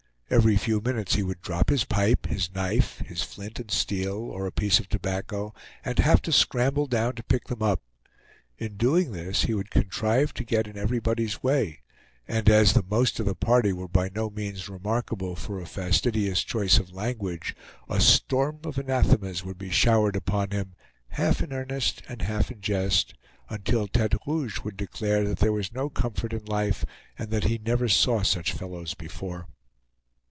Every few minutes he would drop his pipe, his knife, his flint and steel, or a piece of tobacco, and have to scramble down to pick them up. In doing this he would contrive to get in everybody's way; and as the most of the party were by no means remarkable for a fastidious choice of language, a storm of anathemas would be showered upon him, half in earnest and half in jest, until Tete Rouge would declare that there was no comfort in life, and that he never saw such fellows before.